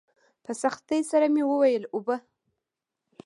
په سختۍ سره مې وويل اوبه.